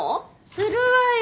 するわよ